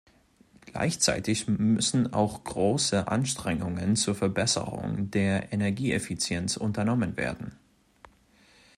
Gleichzeitig müssen auch große Anstrengungen zur Verbesserung der Energieeffizienz unternommen werden.